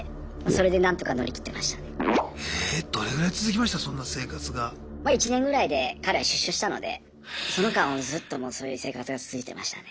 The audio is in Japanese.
ま１年ぐらいで彼は出所したのでその間はずっともうそういう生活が続いてましたね。